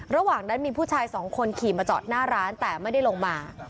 ระหว่างนั้นมีผู้ชายสองคนขี่มาจอดหน้าร้านแต่ไม่ได้ลงมา